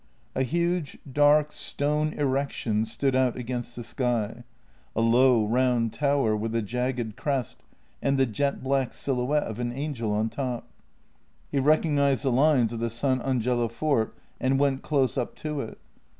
A huge, dark stone erection stood out against the sky, a low, round tower with a jagged crest and the jet black silhouette of an angel on top. He recognized the lines of the San Angelo fort, and went close up to it.